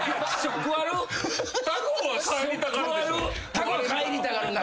タコは帰りたがるな。